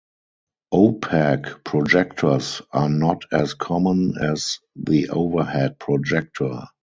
Opaque projectors are not as common as the overhead projector.